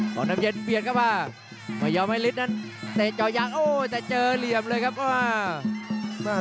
อับน้ำเย็นเปลี่ยนเข้ามาประยับให้ฤทธิ์นั้นแต่จอยังโอ๊ยแต่เจอเหลี่ยมเลยครับเข้ามา